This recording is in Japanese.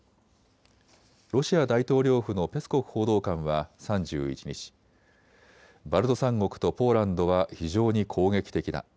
ロシア大統領府のペスコフ報道官は３１日、バルト三国とポーランドは非常に攻撃的だ。